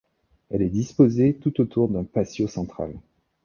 Elle est disposée tout autour d'un patio central.